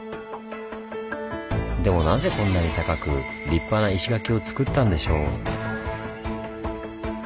でもなぜこんなに高く立派な石垣をつくったんでしょう？